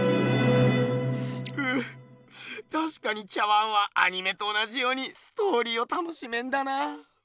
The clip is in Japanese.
ううたしかに茶碗はアニメと同じようにストーリーを楽しめんだな。